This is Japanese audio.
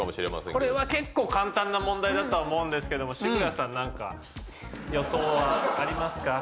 これは結構簡単な問題だとは思うんですけども渋谷さんなんか予想はありますか？